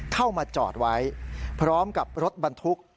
เข้ามาจอดไว้พร้อมกับรถบรรทุก